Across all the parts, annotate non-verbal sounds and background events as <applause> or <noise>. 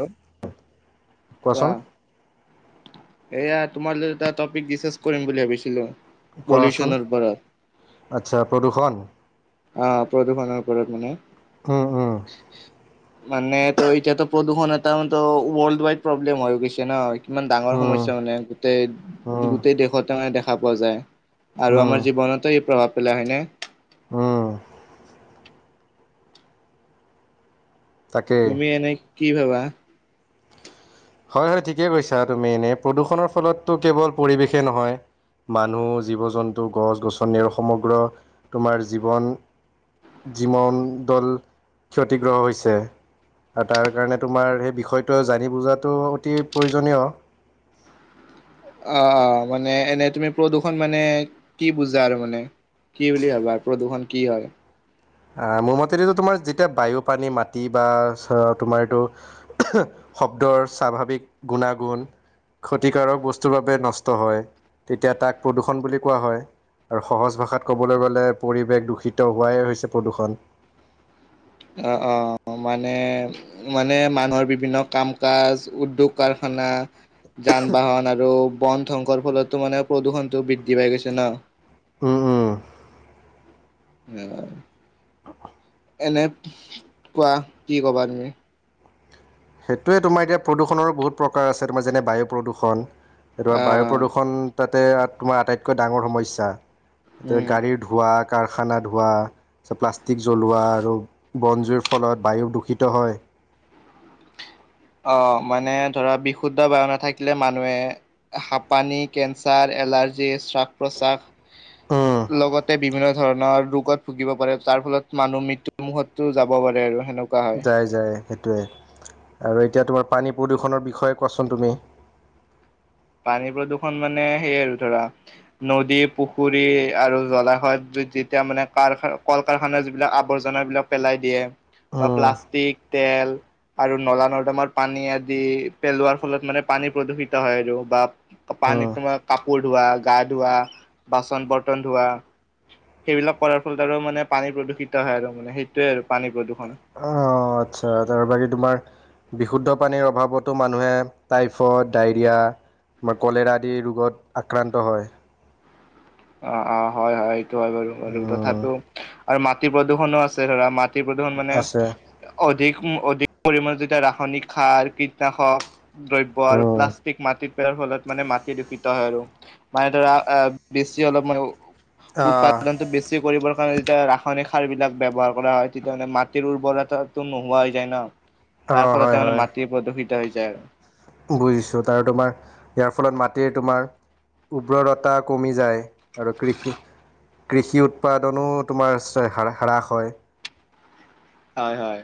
হেল্' কোৱা। কোৱাচোন এয়া তোমাৰ লগ এটা টপিক ডিচকাচ কৰিম বুলি ভাবিছিলো। কৰাচোন পলিউচনৰ ওপৰত আচ্ছা প্ৰদূৰ্ষণ। অ' প্ৰদূৰ্ষণৰ ওপৰত মানে উম উম মানে তো এতিয়াতো। প্ৰদূষণ এটা ম ৱৰ্ল্ড ৱাইড প্ৰব্লেম হৈ গৈছে না ইমান ডাঙৰ উম সমস্যা মানে গোটেই উম গোটেই দেশতে মানে দেখ পোৱা যায় আৰু উম আমাৰ জীৱনত এই প্ৰভাৱ পেলাই হয়নে? উম তাকেই তুমি এনেই কি ভাবা? হয় হয় ঠিকেই কৈছা। তুমি এনে প্ৰদূষণৰ ফলতো কেৱল পৰিৱেশেই নহয়। মানুহ জীৱ জন্তু গছ গছনি আৰু সমগ্ৰ তোমাৰ জীৱন। যিমান দল ক্ষতিগ্ৰস্থ হৈছে। আৰু তাৰ কাৰণে তোমাৰ সেই বিষয়টো জানি বুজাত। টো অ' প্ৰয়োজনীয়। অ' অ' মানে এনে তুমি প্ৰদূষণ মানে কি বুজা আৰু মানে? কি বুলি ভবা প্ৰদূৰ্ষণ কি হয়। আহ মোৰ মতে এইটো তোমাৰ যেতিয়া বায়ু পানী মাটি বা তোমাৰ এইটো। শব্দৰ স্বাভাৱিক গুণাগুণ। ক্ষতিকাৰক বস্তুৰ বাবে নষ্ট হয়। তেতিয়া তাক প্ৰদূৰষণ বুলি কোৱা হয়। আৰু সহজ ভাষাত ক'বলৈ গ'লে পৰিৱেশ দূষিত হোৱাই হৈছে প্ৰদূষণ। অ' অ' মানে মানে মানুহৰ বিভিন্ন কাম কাজ, উদ্যোগ, কাৰখানা। না যান বাহন আৰু বন ধ্বংস ফলতো মানে প্ৰদূষণতটো বৃদ্ধি পাই গৈছে ন। উম উম এনে কোৱা কি ক'বা তুমি? সেইটোৱে তোমাৰ এতিয়া প্ৰদূষণৰো বহুত প্ৰকাৰ আছে তোমাৰ যেনে বায়ু প্ৰদূষণ। এইটো বায়ু আহ প্ৰদূষণ তাতে তোমাৰ আটাইতকৈ ডাঙৰ সমস্যা। সেইটোৱে উম। গাড়ীৰ ধোঁৱ। কাৰখানা ধোৱা তাৰছত প্লাষ্টিক জ্বলোৱা আৰু বন জুইৰ ফলত বায়ু দূষিত হয়। অ মানে ধৰা বিশুদ্ধ বায়ু নাথাকিলে মানুহে হাপানি, কেঞ্চাৰ, এলাৰ্জি, শ্বাস প্ৰশ্বাস উম, লগতে বিভিন্ন ধৰণৰ ৰোগত ভুগিব পাৰে তাৰ ফলত মানুহ মৃত্যুৰ মুখতো যাব পাৰে আৰু সেনেকুৱা হয়। যাই যায় সেইটোৱে আৰু। এতিয়া তোমাৰ পানী প্ৰদূষণৰ বিষয়ে কোৱাচোন তুমি। পানী প্ৰদূৰ্ষণ মানে সেইয় আৰু ধৰা। নদী পুখুৰী আৰু জলাশয়ত যেতিয়া মানে কাৰ কল কাৰখানা যিবিলাক আৱৰ্জনা। বিলাক পেলাই দিয়ে বা উম, প্লাষ্টিক তেল। আৰু নলা নৰ্দমাৰ পানী আদি পেলোৱাৰ ফলত মানে পানী প্ৰদূষিত হয় আৰু। বা উম, পানীত তোমাৰ কাপোৰ ধোৱা গা ধোৱা বাচন বৰ্তন ধোৱা সেইবিলাক কৰাৰ ফলত আৰু মানে পানী প্ৰদূষিত হয় আৰু মানে সেইটোৱে আৰু পানী প্ৰদূৰষণ। অ', আচ্ছা তাৰ বাকী তোমাৰ। বিশুদ্ধ পানীৰ অভাৱতো মানুহে টাইফইড, ডায়ৰিয়া আমাৰ কলেৰা আদি ৰোগত আক্ৰান্ত হয়। অ অ হয় হয় সটো হয় বাৰু বাৰু উম, তথাপিও আৰু মাটিৰ প্ৰদূষণো আছে ধৰা মাটি। প্ৰদূষণ মানে আছে অধিক অধিক পৰিমমানে যেতিয়া ৰাসায়নিক সাৰ কীটনাশক। দ্ৰব্য আৰু উম, প্লাষ্টিক মাটিত পাৰ ফলত মানে মাটি দূষিত হয় আৰু মানে ধৰা। বেছি অলপ মানে অ', উৎপাদনতটো বেছি কৰিবৰ কাৰণে যেতিয়া ৰাসায়নিক সাৰ বিলাক ব্যৱহাৰ কৰা হয় তেতিয়া মানে মাটিৰ উৰ্বৰৰততাটো নোহোৱা হৈ যায় ন তাৰ অ', হয়, ফলততে মানে হয়। মাটি প্ৰদূষিত হৈ যায় আৰু বুজিছোঁ তাৰ তোমাৰ ইয়াৰ ফলত মাটিৰ তোমাৰ। উৰ্বৰতা কমি যায়। আৰু কৃষি কৃষি উৎপাদনো তোমাৰ হ হ্ৰাস হয়। হয় হয়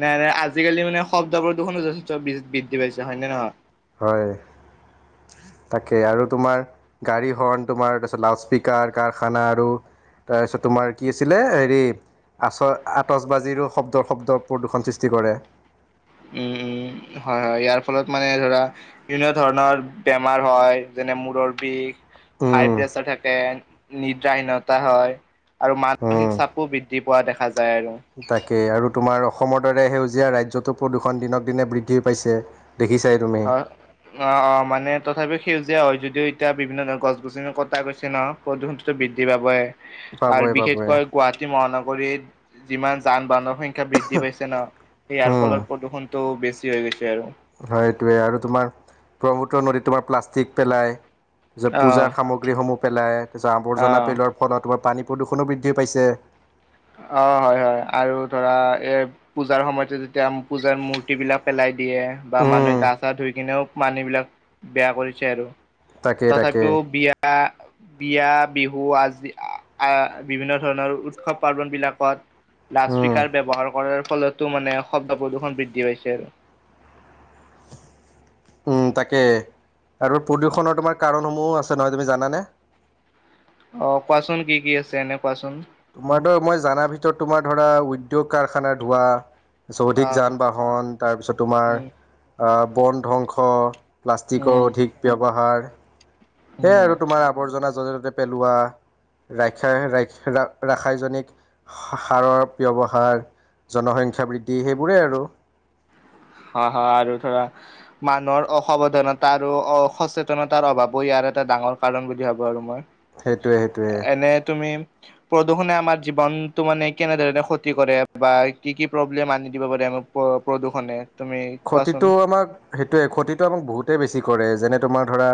নাই নাই আজিকালি মানে শব্দবোৰ দুখনো যথেষ্ট বৃদ্ধি পাইছে হয় নে নহয়? হয় তাকে আৰু তোমাৰ গাড়ী হৰ্ণ তোমাৰ তাৰপিছত লাউড স্পীকাৰ কাৰখানা আৰু। তাৰপিছত তোমাৰ কি আছিলে হেৰি আচ আতচবাজীৰো শব্দৰ শব্দৰ প্ৰদূষণ সৃষ্টি কৰে। উম উম। হয় হয় ইয়াৰ ফলত মানে ধৰা বিভিন্ন ধৰণৰ বেমাৰ হয়। যেনে মূৰৰ বিষ হাই উম, প্ৰেচাৰ থাকে নিদ্ৰাহীনতা হয়। আৰু উম, মানসিক চাপো বৃদ্ধি পোৱা দেখা যায় আৰু। তাকেই আৰু তোমাৰ অসমৰ দৰে সেউজীয়া ৰাজ্যটো প্ৰদূষণ দিনক দিনে বৃদ্ধি পাইছে দেখিছাই তুমি হয় অ অ মানে তথাপি সেউজীয়া হয় যদিও এতিয়া বিভিন্ন ধৰ গছ গছনি কটা গৈছে ন প্ৰদূষণততো বৃদ্ধি পাবই। আৰু পাবই পাবই বিশেষকৈ গুৱাহাটী মহানগৰীত যিমান যান বাহনৰ সংখ্যা শিকা বৃদ্ধি পাইছে না সেইয়াৰ উম, ফলত প্ৰদূষণটো বেছি হৈ গৈছে আৰু। হয় এইটোৱে আৰু তোমাৰ ব্ৰহ্মপুত্ৰ নদীত তোমাৰ প্লাষ্টিক পেলায়। তাৰপাছত অ', পূজাৰ সামগ্ৰীসমূহ পেলাই। তাৰ পাছত আৱৰ্জনা অ'। পেলোৱাৰ ফলত তোমাৰ পানী প্ৰদূষণো বৃদ্ধি পাইছে। অ হয় হয় আৰু ধৰা এ পূজাৰ সময়তে যেতিয়া পূজাৰ মূৰ্ত বিলাক পেলাই। দিয়ে বা উম, মানুহে গা চা ধুই কিনেও পানী বিলাক বেয়া কৰিছে আৰু। তাকে তথাপিও তাকে বিয়া বিয়া বিহু আজি আহ বিভিন্ন ধৰণৰ উৎসৱ পাৰ্বন বিলাকত। লাউড উম, স্পিকাৰ ব্যৱহাৰ কৰাৰ। ফলতো মানে শব্দ প্ৰদূৰ্ষণ বৃদ্ধি পাইছে আৰু। উম! তাকে আৰু প্ৰদূষণৰ তোমাৰ কাৰণসমূহো আছে নহয় তুমি জানানে? অ কোৱাচোন কি কি আছে এনে কোৱাচোন। তোমাৰ ধৰা মই জানাৰ ভিতৰত তোমাৰ ধৰা উদ্যোগ কাৰখানা ধোৱা অ চৌধিক যান বাহন তাৰপিছত তোমাৰ উম আহ বন ধ্বংস। উম প্লাষ্টিকৰ অধিক ব্যৱহাৰ। সেয়াই উম আৰু তোমাৰ আৱৰ্জনা য'তে ত'তে পেলোৱা। ৰা ৰা ৰাসায়নিক সাৰৰ ব্যৱহাৰ। জনসংখ্যা বৃদ্ধি সেইবোৰেই আৰু। <inaudible> হয় হয় আৰু ধৰা মানুহৰ অসাৱধানতা অ সচেতনতাৰ অভাৱো ইয়াৰ এটা ডাঙৰ কাৰণ বুলি ভাবোঁ আৰু মই। সেইটোৱে সেইটোৱে প্ৰদূষনে আমাৰ জীৱনতটো মানে কেনেধৰণে ক্ষতি কৰে বা কি কি প্ৰব্লেম আনি দিব পাৰে। প্ৰদূষণে তুমি কোৱাচোন ক্ষতিতটো আমাক সেইটোৱে ক্ষতিটো আমাক বহুতেই বেছি কৰে যেনে তোমাৰ ধৰা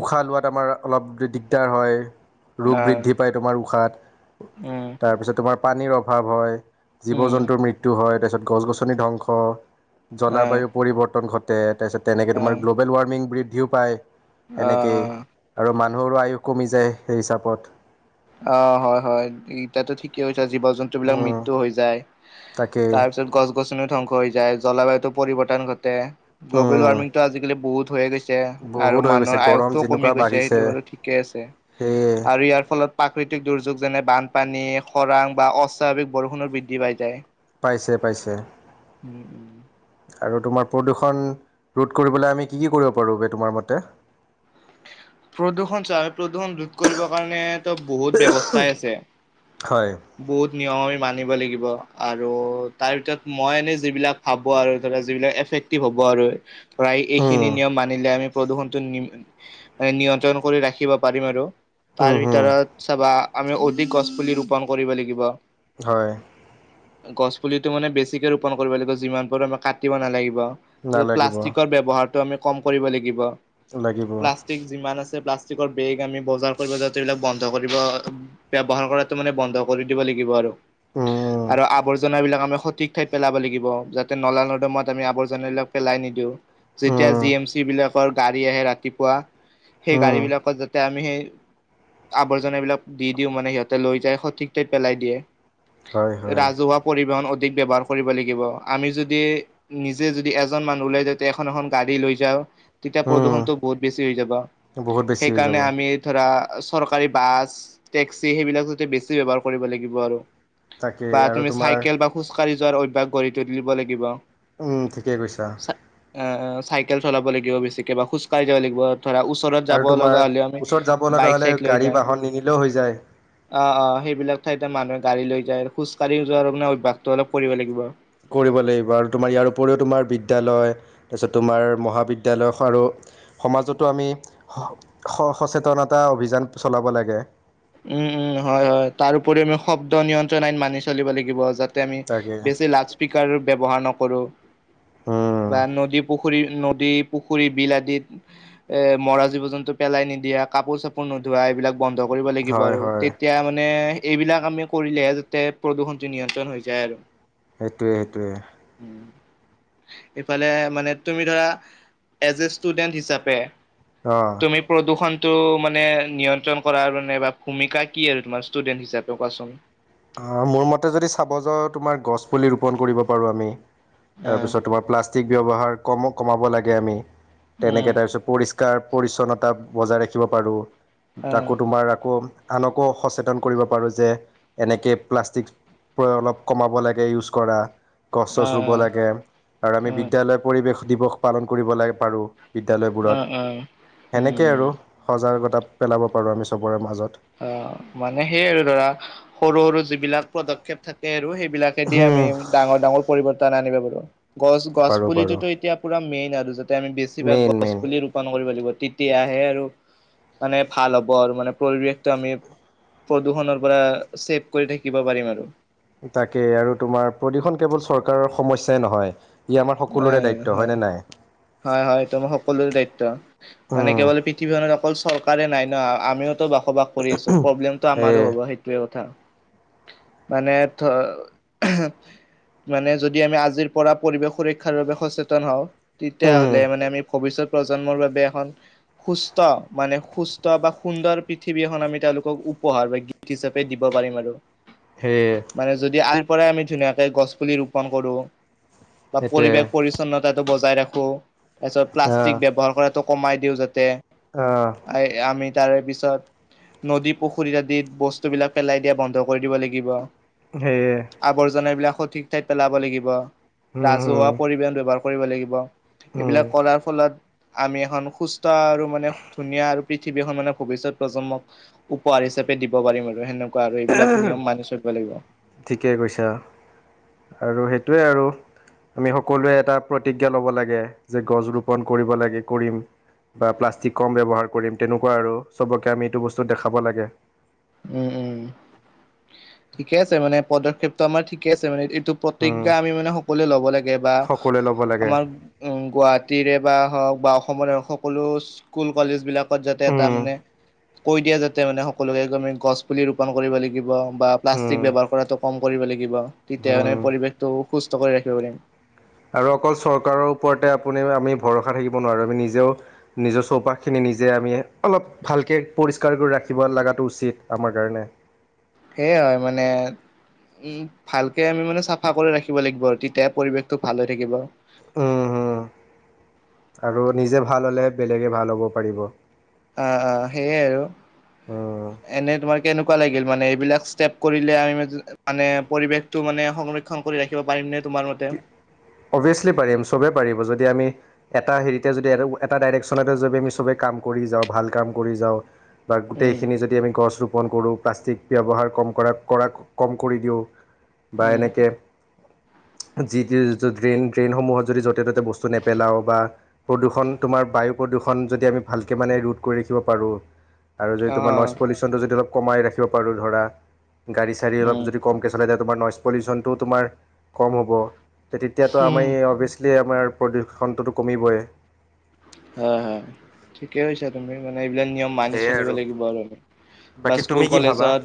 উশাহ লোৱাত আমাৰ অলপ দিগদাৰ হয়। ৰোগ আহ বৃদ্ধি পায় তোমাৰ উশাত, উম তাৰপিছত তোমাৰ পানীৰ অভাৱ হয়। জীৱ উম জন্তুৰ মৃত্যু হয় তাৰপিছত গছ গছনি, ধ্বংস আহ জলবায়ু পৰিৱৰ্তন ঘট। তাৰপিছত তেনেকে তোমাৰ আহ গ্ল'বেল ৱাৰ্মিং বৃদ্ধিও পায়, সেনেকে আহ আৰু। মানুহৰো আয়ুখ কমি যায় সেই হিচাপত। অ হয় হয় এতিয়াটো ঠিকেই হৈছে জীৱ জন্তু বিলাক উম মৃত্যু হৈ যায়। তাকেই তাৰ পিছত গছ গছনিও ধ্বংস হৈ যায়। জলবায়ুতো পৰিৱৰ্তন ঘটে গ্ল'বেল উম ৱাৰ্মিংতটো আজিকালি বহুত হৈয়ে গৈছে। আৰু বহুত হৈ গৈছে মানুহৰ গৰম আয়সটোও কমি যেনেকুৱা গৈছে সেইটো বাঢ়িছে বাৰু ঠিকে আছে সেয়ে আৰু ইয়াৰ ফলত। প্ৰকৃতিক দুৰ্যোগ যেনে বানপানী খৰাং বা অস্বাভাৱিক বৰষুণৰ বৃদ্ধি পাই যায়। পাইছে, পাইছে। উম, উম। আৰু তোমাৰ প্ৰদূষণ ৰোধ কৰিবলৈ আমি কি কি কৰিব পাৰোঁ বে তোমাৰ মতে? প্ৰদূষণ চা প্ৰদূষণ ৰোধ কৰিবৰ কাৰণে। বহুত ব্যৱস্থাই আছেই হয় বহুত নিয়ম মান আৰু তাৰ ভিতৰত মই এনে যিবিলাক ভাব আৰু ধ যিবিলাক এফেক্টিভ হ'ব আৰু প্ৰায় এইখিনি উম নিয়ম মানিলে আমি প্ৰদূষণটো নিয়ন্ত্ৰণ কৰি ৰাখিব পাৰিম আৰু উম তাৰ হুম ভিতৰত চাবা আমি অধিক গছ পুলি ৰোপন কৰিব লাগিব। হয়। গছ পুলিতো মানে বেছিকে ৰোপন কৰিব লাগিব, যিমান পাৰোঁ আমি কাটিব নালাগিব। নালাগিব প্লাষ্টিকৰ ব্যৱহাৰটো আমি কম কৰিব লাগিব। লাগিব। প্লাষ্টিক আছে প্লাষ্টিকৰ বেগ আমি বজাৰ কৰিব যাওতে এইবলাক বন্ধ কৰিব ব্যৱহাৰ কৰাতো মানে বন্ধ কৰিব। শুধিব লাগিব আৰু উম উম আৰু আৱৰ্জনা বিলাক আমি সঠিক ঠাইত পেলাব লাগিব যাতে নলা নৰ্দমাত আমি আৱৰ্জাবিলাক পেলা। নিদিও যেতিয়া উম জি এম চি বিলাকৰ গাড়ী আহে ৰাতিপুৱা। সেই গাড়ী উম বিলাকত যাতে আমি সেই আৱৰ্জনা এইবিলাক দি দিও মানে সিহতে লৈ যায় সঠিক ঠাইত পেলাই দিয়ে হয় হয় ৰাজহুৱা পৰিবহন অ ব্যৱহাৰ কৰিব লাগিব আমি যদি নিজে যদি এজন মানুহ লৈ যা এখন এখন গাড়ী লৈ যাওঁ। তেতিয়া উম প্ৰদূষণতটো বহুত বেছি হৈ যাব বহুত বেছি হৈ যাব সেইকাৰণে আমি ধৰা। চৰকাৰী বাছ টেক্সি সেইবিলাক যাতে বেছি ব্যৱহাৰ কৰিব লাগিব আৰু। তাকেই বা আৰু তুমি তোমাৰ চাইকেল বা খোজ কঢ়ি যোৱাৰ অভ্যয়াস গঢ়ি তুলি দিব লাগিব। উম! ঠিকেই কৈছা। অ চাইকেল চলাব লাগিব বেছিকে বা খোজকাঢ়ি যাব লাগিব। ধৰা ওচৰত আৰু যাব তোমাৰ লগা হলেও আমি ওচৰত যাব লগা বাইক হ'লে চাইক লৈ গাড়ী যায় বাহন নিনিলেও হৈ যায় অ অ সেইবিলাক ঠাইতে মানুহে গাড়ী লৈ যায় আৰু খোজ কঢ়ি যোৱাৰ মানে অভ্যাসটো অলপ কৰিব লাগিব। কৰিব লাগিব আৰু তোমাৰ ইয়াৰ উপৰিও তোমাৰ বিদ্যালয় তাৰপিছত তোমাৰ মহাবিদ্যালয় আৰু সমাজতো আমি স সচেতনতা অভিযান চলাব লাগে। উম উম হয় হয় তাৰপৰি আমি শব্দ নিয়ন্ত্ৰণ আইন মানি চলিব লাগিব। যাতে আমি তাকে বেছি লাউড স্পীকাৰ ব্যৱহাৰ নকৰোঁ উম বা নদী পু খুৰী নদী পুখুৰী বিল আদিত এ মৰা জীৱ জন্তু পেলাই নিদিয়া কাপোৰ চাপোৰ নো ধোৱা এইবিলাক বন্ধ কৰি নিব হয় আৰু হয় তেতিয়া মানে এইবিলাক আমি কৰিলেহে যাতে প্ৰদূষণটো নিয়ন্ত্ৰণ হৈ যায় আৰু। সেইটোৱে সেইটোৱে ইফালে মানে তুমি, ধৰা এজ এ ষ্টুডেণ্ট হিচাপে। অঁ তুমি প্ৰদূষণটো মানে নিয়ন্ত্ৰণ কৰাৰ মানে বা ভূমিকা কি আৰু তোমাৰ ষ্টুডেণ্ট হিচাপে কোৱাচোন? অ মোৰ মতে যদি চাব যাওঁ তোমাৰ গছ পুলি ৰোপন কৰিব পাৰো আমি। অ তাৰ পিছত তোমাৰ প্লাষ্টিক ব্যৱহাৰ কম কমাব লাগে আমি। উম তেনেকে তাৰপিছত পৰিষ্কাৰ পৰিচ্ছন্নতা বজাই ৰাখিব পাৰো। অ তাকো তোমাৰ আকৌ আনকো সচেতন কৰিব পাৰো যে এনেকে প্লাষ্টিক অলপ কমাব লাগে ইউজ কৰা। গছ চছ ৰুব অ', লাগে আৰু আমি অ', বিদ্যালয় পৰিৱেশ দিৱস পালন কৰিব লাগে পাৰো বিদ্যালয়বোৰত, অ', সেনেকেই আৰু উম, সজাগতা পেলাব পাৰোঁ আমি চবৰে মাজত। অ মানে সেই আৰু ধৰা সৰু সৰু যিবিলাক পদক্ষেপ থাকে আৰু সেই। বিলাকে দি আমি হুম, ডাঙৰ ডাঙৰ পৰিবৰ্তন আনিব পাৰো। গছ গছ পাৰোঁ পাৰোঁ পুলিটোতো এতিয়া পুৰা মেইন আৰু যাতে আমি বেছিভাগ মেইন গছ মেইন পুলি ৰোপন কৰিব লাগিব। তেতিয়াহে আৰু, মানে ভাল হ'ব আৰু মানে পৰিৱেশ। আমি, প্ৰদূষণৰ পৰা ছেভ কৰি থাকিব পাৰিম আৰু। তাকে আৰু তোমাৰ প্ৰদূষণ কেৱল চৰকাৰৰ সমস্যাই নহয়। ই আমাৰ সকলোৰে দায়িত্ব হয় নে নাই। হয় হয় এইটো আমাৰ সকলোৰে দায়িত্ব মানে উম কেৱল পৃথিৱীখনত অকল চৰকাৰে নাই ন আমিওতো বসবাস কৰি আছো প্ৰব্লেমটো আমাৰো সেয়ে হ'ব সেইটোৱে কথা। <unintelligible> মানে মানে যদি আমি আজিৰ পৰা পৰিৱেশ সুৰ ক্ষাৰ বাবে সচেতন হওঁ উম তেতিয়াহলে মানে আমি ভৱিষ্যত প্ৰজন্মৰ বাবে এখন। সুস্থ মানে সুস্থ বা সুন্দৰ পৃথিৱীখন আমি তেওঁলোকক উপহাৰ বা গীত হিচাপে দিব পাৰিম আৰু সেয়ে মানে যদি আ পৰাই আমি ধুনীয়াকে গছ পুলি ৰোপন কৰো বা সেইটোৱে পৰিৱেশ পৰিচ্ছন্নতাটো বজাই ৰাখো তাৰপিছত প্লাষ্টিক আহ ব্যৱহাৰ কৰাটো কমাই দিওঁ যাতে। আহ আ আমি। তাৰে পিছত নদী পুখুৰীত আদিত বস্তুবিলাক পেলাই দিয়া বন্ধ কৰি দিব লাগিব। সেয়ে আৱৰ্জনা বিলাক সঠিক ঠাইত পেলাব লাগিব। উম। জহুৱোৱা উম পৰিবহন ব্যৱহাৰ কৰিব লাগিব উম এইবিলাক কৰাৰ ফলত আমি এখন সুস্থ স্থ আৰু মানে ধুনীয়া আৰু পৃথিৱীখন মানে ভৱিষ্যত প্ৰজন্মক উপহাৰ হিচাপে দিব পাৰিম আৰু সেনেকো ৱা আৰু এইবিলাক নিয়ম মানি চলিব লাগিব। ঠিকেই কৈছা আৰু সেইটোৱে আৰু। আমি সকলোৱে এটা প্ৰতিজ্ঞা লব লাগে যে গছ ৰোপন কৰিব লাগে কৰিম। বা প্লাষ্টিক কম ব্যৱহাৰ কৰিম তেনেকোৱা আৰু চবকে আমি এইটো বস্তু দেখাব লাগে উম উম ঠিকে আছে মানে পদক্ষেপটো আমাৰ ঠিকে আছে মানে। এইটো উম প্ৰতিজ্ঞা আমি মানে সকলোৱে ল'ব লাগে বা। সকলোৱে ল'ব লাগে আমাৰ উম! গুৱাহাটীৰে বা হওক। বা অসমৰ সকলো স্কুল কলেজ বিলাকত যাতে এটা মানে। কৈ দিয়া যাতে মানে সকলেমি গছ পুলি ৰৰুপন কৰিব লাগিব বা। প্লাষ্টিক উম ব্যৱহাৰ কৰাটো কম কৰিব লাগিব উম তেতিয়াহ'লে উম পৰিৱেশটো সুস্থ কৰি ৰাখিব পাৰিম। আৰু অকল চৰকাৰৰ ওপৰতে আপুনি আমি ভৰসা থাকিব নোৱাৰো আমি নিজেও নিজৰ চৌপাশ খিনি নি। নিজে আমি অলপ ভালকৈ পৰিষ্কাৰ কৰি ৰাখিব লগাটো উচিত আমাৰ কাৰণে। সেইয়াই হয় মানে। উম ভালকে আমি মানে চাফা কৰি ৰাখিব লাগিব আৰু তেতিয়া পৰিৱেশটো ভাল হৈ থাকিব। উম উম। আৰু নিজে ভাল হ'লে বেলেগে ভাল হ'ব পাৰিব। অঁ অঁ, সেইয়াই আৰু উম এনে তোমাৰ। কেনেকুৱা লাগিল মানে এইবিলাক ষ্টেপ কৰিলে আমি মানে পৰিৱেশতটো মানে সংৰক্ষণ কৰি ৰাখিব পাৰিম নে। তোমাৰ মতে অভিয়াচলি পাৰিম চবে পাৰিব যদি আমি। এটা হেৰিতে যদি এটা ডাইৰেকশ্যনতে যদি আমি চবে কাম কৰি যাওঁ, ভাল কাম কৰি যাওঁ। বা উম গোটেইখিনি যদি আমি গছোপ। ৰোপণ কৰোঁ প্লাষ্টিক ব্যৱহাৰ কম কৰা কৰা কম কৰি দিওঁ। বা উম এনেকে। যি ড্ৰেইন ড্ৰেইনসমূহত যদি য'তে ত'তে বস্তু নেপেলাও বা প্ৰদূষণ তোমাৰ বায়ু প্ৰদূষণ যদি আমি ভালকৈ মানে ৰোধ কৰি ৰাখিব পাৰোঁ। আৰু যদি অ তোমাৰ নইচ পলিউশ্যনটো যদি অলপ কমাই ৰািবাৰোঁ ধৰা গাড় চড়ী অলপ উম যদি কমকে চলায়। তোমাৰ নইজ পলিউচনটোও তোমাৰ, কম হ'ব তেতিয়াতো আমি উম অভিয়াচলি আমাৰ। প্ৰদূষণটোতো কমিবই। হয় হয় ঠিকে কৈছা তুমি মানে এইবিলাক নিয়ম মানি চলিব লাগিব আৰু, আমি বা বাকী স্কুল তুমি কি ভাবা কলেজত।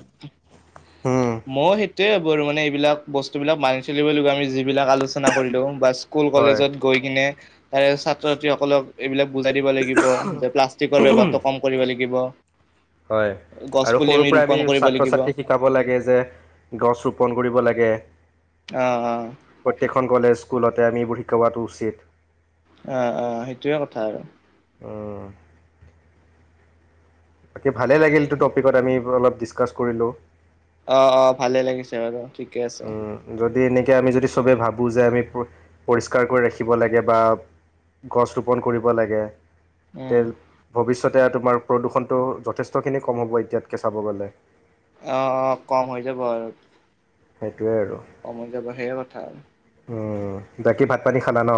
উম মই সেইটোয়ে' বাৰ মানে এইবিলাক। বস্তুবিলাক মানি চলিব লগ আমি যিবিলাক আলোচনা কৰিলো বা স্কুল হয় কলেজত গৈ কিনে- তাৰে ছাত্ৰ -ছাত্ৰীসকলক এইবিলাক বুজাই দিব লাগিব যে, প্লাষ্টিকৰ বৱহাৰটো কম কৰিব লাগিব। হয় গছ আৰু পুলি সৰু পৰা আমি ৰোপন কৰিব ছাত্ৰ লাগিব অ ছাত্ৰী শিকাব লাগে যে গছ ৰোপন কৰিব লাগে। এ, অ অ প্ৰত্যেকখন কলেজ স্কুলতে আমিবোৰ শিকোৱাটো উচিত। অ অ সেইটোৱে কথা আৰু। অঁ। বাকী ভালে লাগিলটো টপিকত আমি অলপ ডিচকাচ কৰিলোঁ। অ অ ভালে লাগিছে বাৰু ঠিক - উম যদি এনে- আমি যদি সবেই ভাবোঁ যে আমি পৰিষ্কাৰ কৰি ৰাখিব লাগে বা গছ ৰোপন কৰিব লাগে ভে উম ভ তাতে তোমাৰ প্ৰদূষণটো যথেষ্টখিনি কম হ'ব এতিয়াতকৈ চাব গ'লে। অ অ কম হৈ যাব আৰু সেইটোৱে আৰু কম যাব সেয়া কথা আৰু বাকী ভাত -পানী খালা ন?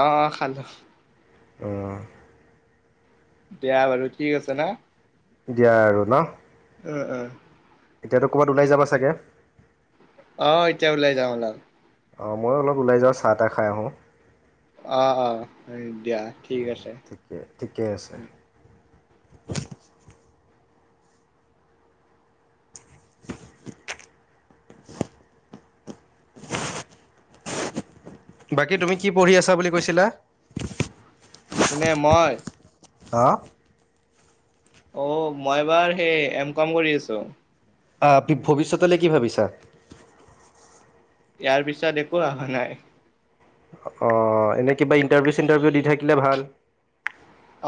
অ অ খালো। অঁ। দিয়া বাৰু ঠিক আছে না। দিয়া আৰু ন। এ-এ এতিয়াতো ক'ৰবাত ওলাই যাবা চাগে? আহ এতিয়া ওলাই যাওঁ অলপ। অ মইয়ো অলপ ওলাই যাওঁ চাহ- তাহ খাই আহোঁ। অহ অ দিয়া ঠিক আছে ঠিকে ঠিকে আছে। উম। <inaudible> বাকী তুমি কি পঢ়ি আছা বুলি কৈছিলা? কোনে মই। হা। অ মই বাৰ সেই এম কম কৰি আছো। আহ ভৱিষ্যতলৈ কি ভাবিছা। ইয়াৰ পিছত একো অহা নাই। অ এনেই কিবা ইণ্টাৰভিউ চিণ্টাৰভিউ দি থাকিলে ভাল।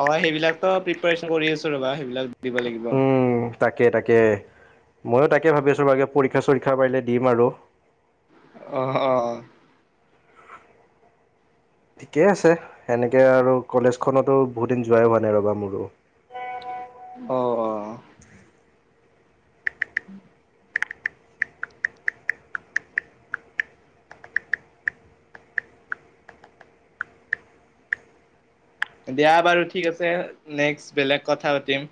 অ সেইবিলাকো প্ৰিপাৰচন কৰি আছো ৰবা সেইবিলাক। দিব লাগিব উম! তাকে, তাকে। ময়ো তাকে ভাবি আছো বাৰ পৰীক্ষা চৰীক্ষা পাৰিলে দিম আৰু। অ অ। ঠিকেই আছে সেনেকে আৰু কলেজখনতো বহুত দিন যোৱাইো হোৱা নাই ৰ'বা মোৰো। অহ, অহ উম দিয়া বাৰু ঠিক আছে নেক্স বেলেগ কথা পাতিম।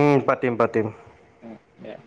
উম পাতিম পাতিম। দেয়া।